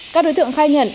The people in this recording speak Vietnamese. các đối tượng khai nhận